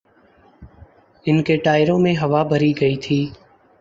ان کے ٹائروں میں ہوا بھری گئی تھی۔